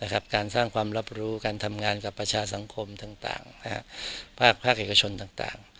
การสร้างความรับรู้การทำงานกับประชาสังคมต่างภาคเอกชนต่าง